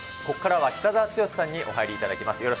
ここからは北澤豪さんにお入りいただきます。